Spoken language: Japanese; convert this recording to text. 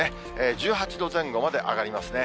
１８度前後まで上がりますね。